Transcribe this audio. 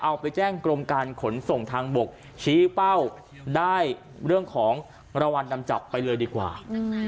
เอาไปแจ้งกรมการขนส่งทางบกชี้เป้าได้เรื่องของรางวัลนำจับไปเลยดีกว่า